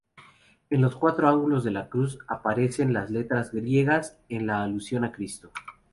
En los cuatro ángulos de la cruz aparecen letras griegas en alusión a Cristo.